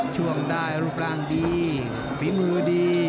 ช่วงได้รูปร่างดีฝีมือดี